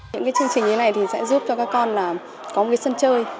những cái chương trình như thế này thì sẽ giúp cho các con là có một cái sân chơi